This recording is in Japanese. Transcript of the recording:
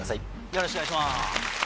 よろしくお願いします。